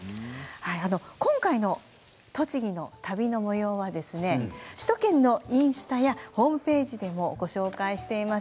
今回の栃木の旅のもようは首都圏インスタやホームページでもご紹介しています。